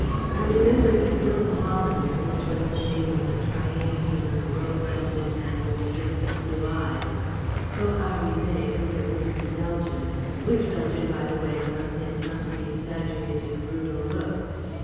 I remember that Bill the Hollander—which was the name of the triangular rope belted man with shifty blue eyes (co arrivé with the whiskey Belgian; which Belgian, by the way, from his not to be exaggerated brutal look, B.